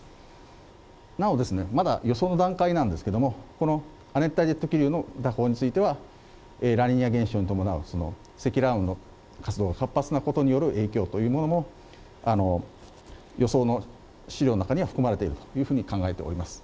なおですね、まだ予想の段階なんですけれども、この亜熱帯ジェット気流の蛇行についてはラニーニャ現象に伴う、積乱雲の活動が活発なことによる影響というものも、予想の資料の中には含まれているというふうに考えています。